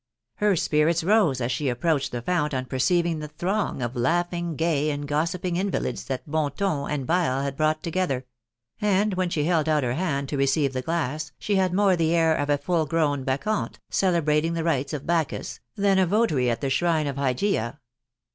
Her spirits rose as she approached the fount on perceiv ing the throng of laughing, gay, and gossiping invalids that bon ton and bile had brought together ; and when she held out her hand to receive the glass, she had more the air of a full grown Bacchante, celebrating the rights of Bacchus, than a votary at the shrine of Hygeia.